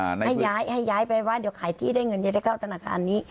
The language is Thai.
ให้ย้ายให้ย้ายไปว่าเดี๋ยวขายที่ได้เงินจะได้เข้าธนาคารนี้